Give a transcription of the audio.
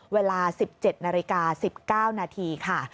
เวลา๑๗นาฬิกา๑๙นาทีค่ะ